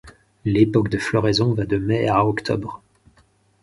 L'époque de floraison va de mai à octobre.